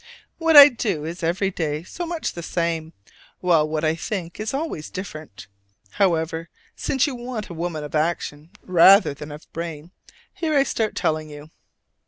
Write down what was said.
What I do is every day so much the same: while what I think is always different. However, since you want a woman of action rather than of brain, here I start telling you.